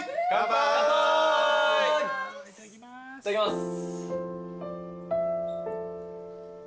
いただきます。